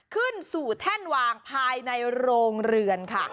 ขึ้นสู่แท่นวางภายในโรงเรือนค่ะ